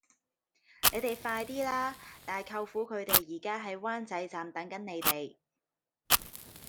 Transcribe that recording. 你哋快啲啦!大舅父佢哋而家喺灣仔站等緊你哋